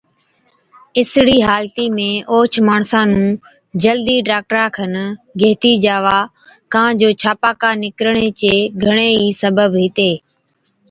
اِسڙِي حالتِي ۾ اوهچ ماڻسا نُون جلدِي ڊاڪٽرا کن گيهٿِي جاوا، ڪان جو ڇاپاڪا نِڪرڻي چي گھڻي ئِي سبب هِتي۔